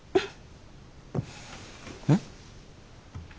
えっ？